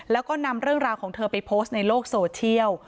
แล้วก็นำเรื่องราวของเธอไปโพสต์ในโลกโซเชียล